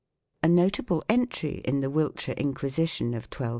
2 A notable entry in the "Wiltshire Inquisition " of 1212